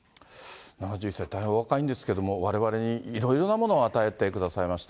７１歳、大変お若いんですけれども、われわれにいろいろなものを与えてくださいました。